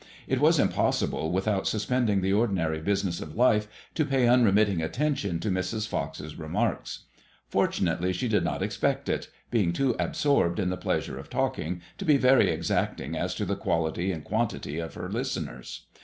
It was impossible without suspending the ordinary business of life to pay unremitting attention to Mrs. Fox's remarks. Fortunately she did not expect it» being too absorbed in the pleasure of talking to be very exacting as to the quality and quantity of her listeners.